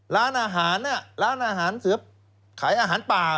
ร้านอาหารร้านอาหารเสือขายอาหารป่า